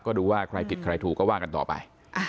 ก็ดูว่าใครผิดใครถูกก็ว่ากันต่อไป